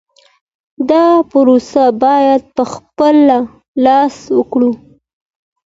دا پروسه باید په خپله لاره وکړي.